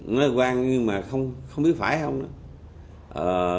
nói quang nhưng mà không biết phải không đó